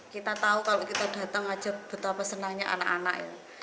kita tahu kalau kita datang aja betapa senangnya anak anak ya